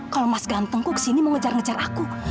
kalau mas gantengku kesini mau ngejar ngejar aku